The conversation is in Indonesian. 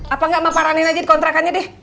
apa nggak mak parahin aja kontrakannya deh